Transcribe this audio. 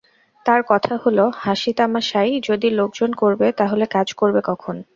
তাঁর কথা হল-হাসি তামাশাই যদি লোকজন করবে তাহলে কাজ করবে কখন?